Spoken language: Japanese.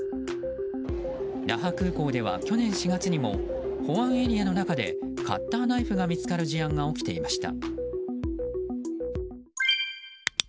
那覇空港では去年４月にも保安エリアの中でカッターナイフが見つかる事案が起きていました。